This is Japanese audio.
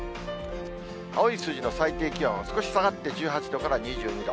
青い数字の最低気温、少し下がって１８度から２２度。